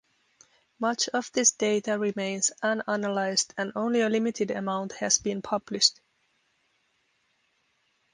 Much of this data remains unanalyzed and only a limited amount has been published.